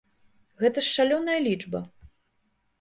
Гэта ж шалёная лічба.